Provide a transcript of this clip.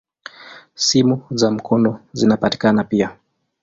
Simu za mkono zinapatikana pia.